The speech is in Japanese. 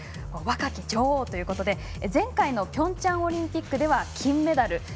若き女王ということで前回のピョンチャンオリンピックでは金メダル。